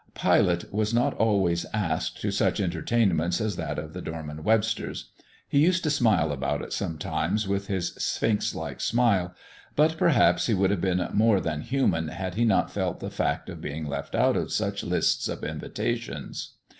Pilate was not always asked to such entertainments as that of the Dorman Websters'. He used to smile about it sometimes with his sphinx like smile, but perhaps he would have been more than human had he not felt the fact of being left out of such lists of invitations.